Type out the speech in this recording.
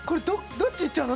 どっちいっちゃうの！？